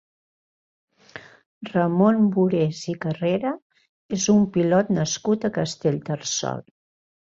Ramon Burés i Carrera és un pilot nascut a Castellterçol.